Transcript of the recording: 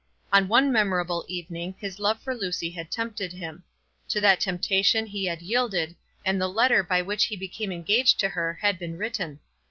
On one memorable evening his love for Lucy had tempted him. To that temptation he had yielded, and the letter by which he became engaged to her had been written.